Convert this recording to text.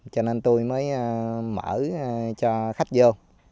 cho nên tôi mới mở cho khách vô